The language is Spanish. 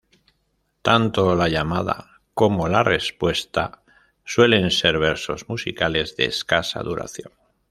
Tanto la "llamada" como la "respuesta" suelen ser versos musicales de escasa duración.